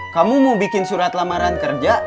kamu mau bikin surat lamaran kerja